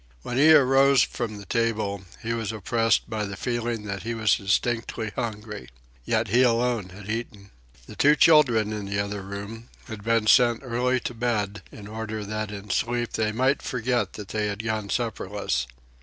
When he arose from the table, he was oppressed by the feeling that he was distinctly hungry. Yet he alone had eaten. The two children in the other room had been sent early to bed in order that in sleep they might forget they had gone supperless.